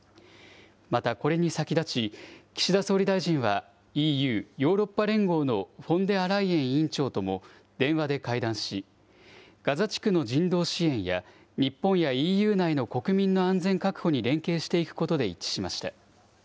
またこれに先立ち、岸田総理大臣は、ＥＵ・ヨーロッパ連合のフォンデアライエン委員長とも電話で会談し、ガザ地区の人道支援や、日本やＥＵ内の国民の安全確保に連携していくことで一致しました。